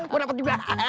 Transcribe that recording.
gua dapet juga